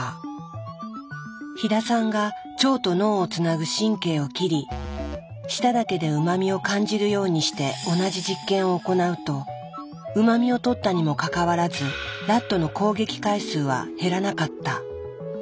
飛田さんが腸と脳をつなぐ神経を切り舌だけでうま味を感じるようにして同じ実験を行うとうま味をとったにもかかわらずラットの攻撃回数は減らなかった。